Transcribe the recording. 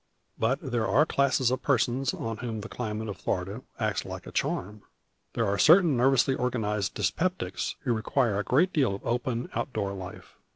But there are classes of persons on whom the climate of Florida acts like a charm. There are certain nervously organized dyspeptics who require a great deal of open, out door life.